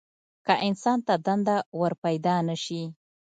که انسان ته دنده ورپیدا نه شي.